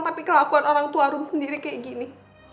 tapi kelakuan orang tua rum sendiri kayak gini